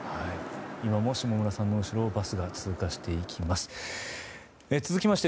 今も下村さんの後ろをバスが通過していきました。